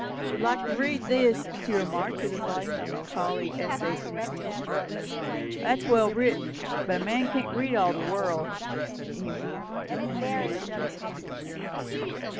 "Should like to read that," he remarked, with a volume of Macaulay's Essays in his hands. "That's well written. But a man can't read all the world," he went on, as he laid it out of his hands again.